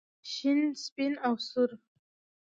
شین سپین او سور.